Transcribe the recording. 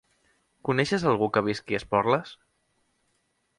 Coneixes algú que visqui a Esporles?